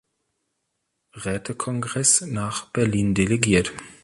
Rätekongress nach Berlin delegiert.